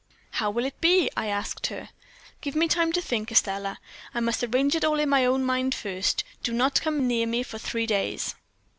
"'How will it be?' I asked her. "'Give me time to think, Estelle; I must arrange it all in my own mind first. Do not come near me for three days.'